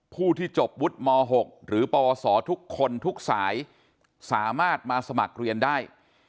ผู้ที่จบวุฒิม๖หรือปวสอทุกคนทุกสายสามารถมาสมัครเรียนได้